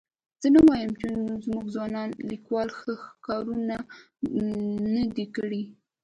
زه نه وایم چې زموږ ځوان لیکوال ښه کار نه دی کړی.